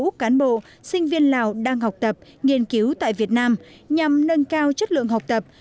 các cán bộ sinh viên lào đang học tập nghiên cứu tại việt nam nhằm nâng cao chất lượng học tập